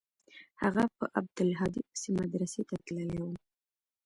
هغه په عبدالهادي پسې مدرسې ته تللى و.